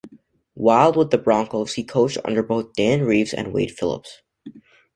While with the Broncos, he coached under both Dan Reeves and Wade Phillips.